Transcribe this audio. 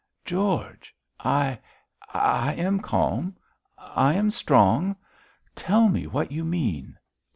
'George! I I am calm; I am strong; tell me what you mean.'